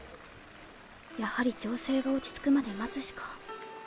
やはり情勢が落ち着くまで待つしか。